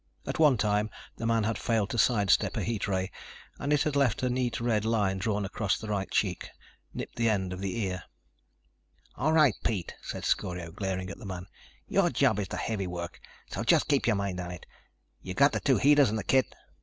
At one time the man had failed to side step a heat ray and it had left a neat red line drawn across the right cheek, nipped the end of the ear. "All right, Pete," said Scorio, glaring at the man, "your job is the heavy work, so just keep your mind on it. You've got the two heaters and the kit."